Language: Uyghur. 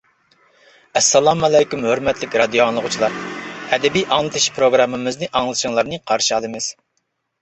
ئەسسالامۇئەلەيكۇم ھۆرمەتلىك رادىئو ئاڭلىغۇچىلار، ئەدەبىي ئاڭلىتىش پروگراممىمىزنى ئاڭلىشىڭلارنى قارشى ئالىمىز.